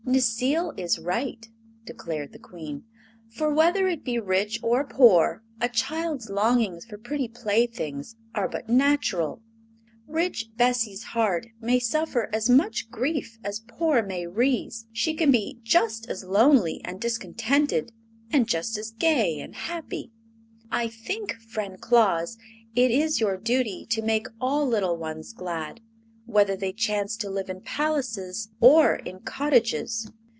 "Necile is right," declared the Queen; "for, whether it be rich or poor, a child's longings for pretty playthings are but natural. Rich Bessie's heart may suffer as much grief as poor Mayrie's; she can be just as lonely and discontented, and just as gay and happy. I think, friend Claus, it is your duty to make all little ones glad, whether they chance to live in palaces or in cottages."